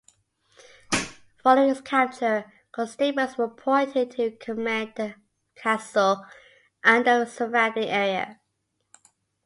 Following its capture, constables were appointed to command the castle and the surrounding area.